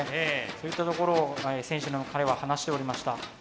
そういったところを選手の彼は話しておりました。